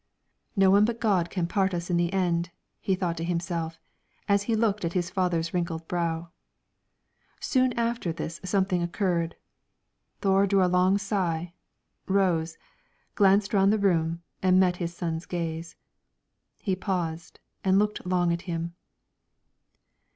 "No one but God can part us in the end," he thought to himself, as he looked at his father's wrinkled brow. Soon after this something occurred. Thore drew a long sigh, rose, glanced round the room, and met his son's gaze. He paused, and looked long at him.